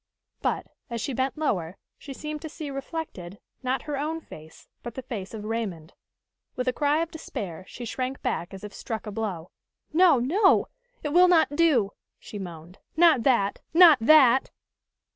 But, as she bent lower, she seemed to see reflected, not her own face, but the face of Raymond. With a cry of despair, she shrank back as if struck a blow. "No! no! It will not do!" she moaned. "Not that! Not that!"